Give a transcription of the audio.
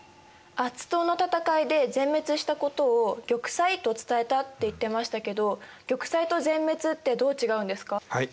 アッツ島の戦いで全滅したことを「玉砕」と伝えたって言ってましたけど「玉砕」と「全滅」ってどう違うんですか？